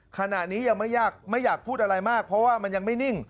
ขณะนี้ยังไม่อยากพูดอะไรมากเพราะว่ามันยังไม่นิ่ง